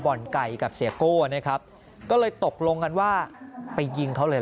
ไก่กับเสียโก้นะครับก็เลยตกลงกันว่าไปยิงเขาเลยเห